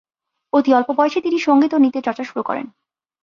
অতি অল্প বয়সেই তিনি সংগীত ও নৃত্যের চর্চা শুরু করেন।